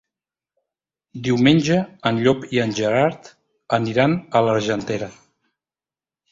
Diumenge en Llop i en Gerard aniran a l'Argentera.